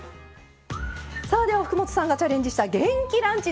では、福本さんがチャレンジした元気ランチ